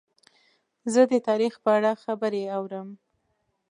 زه د تاریخ په اړه خبرې اورم.